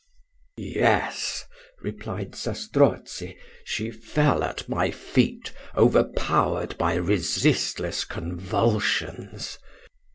"Yes," replied Zastrozzi; "she fell at my feet, overpowered by resistless convulsions.